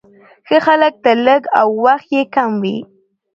ښه خلک تل لږ او وخت يې کم وي،